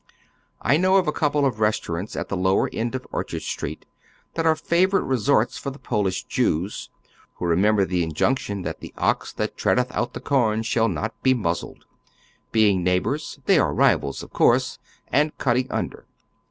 I know of a couple of restaurants at the lower end of Orchard Street that are favorite I'esorts for the Polish Jews, who remember the injunction that the ox that treadeth out the corn shall not be muzzled. Being neighboi's, they are rivals of course, and cutting under.